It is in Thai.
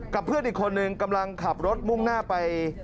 เพื่อนอีกคนนึงกำลังขับรถมุ่งหน้าไป